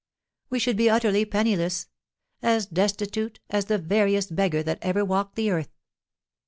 We should be utterly penniless; as destitute as the veriest beggar that ever walked the earth.